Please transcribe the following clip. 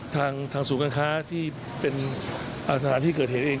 ทางศูนย์การค้าที่เป็นสถานที่เกิดเหตุเอง